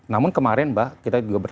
namun kemarin mbak kita juga berharap